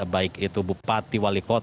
baik itu bupati wali dan penyelidikan